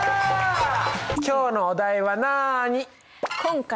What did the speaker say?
今日のお題はなに？